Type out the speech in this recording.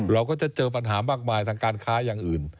เราก็จะเจอปัญหามากมายทางการค้าอย่างอื่น